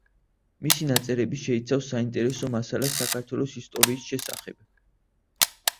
მისი ნაწერები შეიცავს საინტერესო მასალას საქართველოს ისტორიის შესახებ.